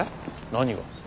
何が？